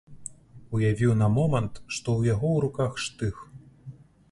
Уявіў на момант, што ў яго ў руках штых.